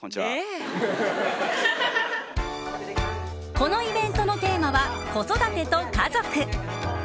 このイベントのテーマは子育てと家族。